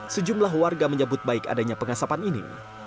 sejumlah warga menyebut baik adanya pengasapan ini